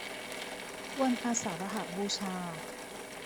วันอาสาฬหบูชา